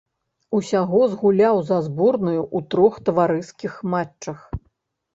Усяго згуляў за зборную ў трох таварыскіх матчах.